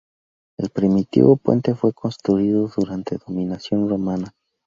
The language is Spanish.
El primitivo puente fue construido durante la dominación romana.